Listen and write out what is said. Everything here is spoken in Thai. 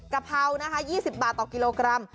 กะเพรานะคะ๒๐บาทต่อกิโลกรัม